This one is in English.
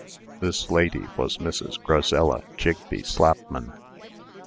This lady was Mrs. Grazella Jigbee Slapman.